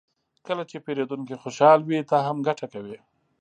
کله چې پیرودونکی خوشحال وي، ته هم ګټه کوې.